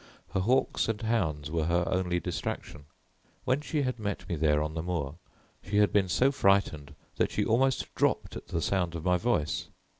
Her hawks and hounds were her only distraction. When she had met me there on the moor she had been so frightened that she almost dropped at the sound of my voice.